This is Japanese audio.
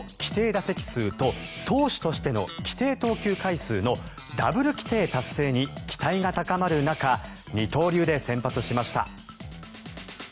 打席数と投手としての規定投球回数のダブル規定達成に期待が高まる中二刀流で先発しました。